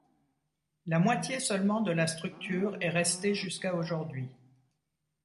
La moitié seulement de la structure est resté jusqu'à aujourd'hui.